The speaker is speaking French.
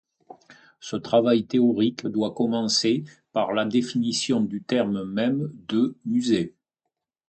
Ce travail théorique doit commencer par la définition du terme-même de musée.